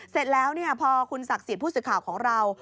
เสร็จแล้วพอคุณศักดิ์สิทธิ์ผู้สื่อข่าวของเรา